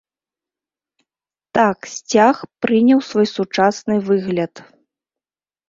Так сцяг прыняў свой сучасны выгляд.